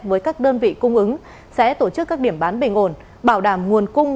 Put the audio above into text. với các đơn vị cung ứng sẽ tổ chức các điểm bán bình ổn bảo đảm nguồn cung